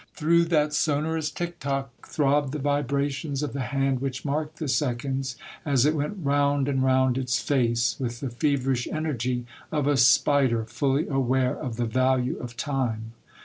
Through that sonorous tick tock throbbed the vibrations of the hand which marked the seconds, as it went round and round its face, with the fever ish energy of a spider fully aware of the value of time.